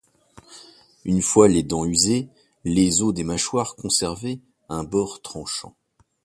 Une fois les dents usées, les os des mâchoires conservaient un bord tranchant.